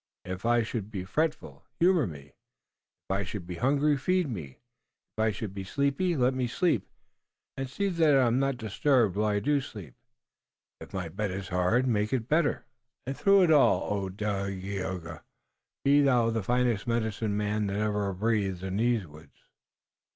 If I should be fretful, humor me; if I should be hungry, feed me; if I should be sleepy, let me sleep, and see that I am not disturbed while I do sleep; if my bed is hard, make me a better, and through it all, O Dagaeoga, be thou the finest medicine man that ever breathed in these woods."